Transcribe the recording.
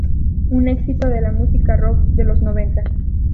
Un exito de la música rock de los noventa.